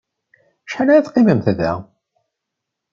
Acḥal ara teqqimemt da?